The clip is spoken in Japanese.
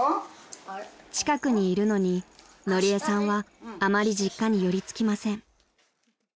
［近くにいるのにのりえさんはあまり実家に寄りつきません］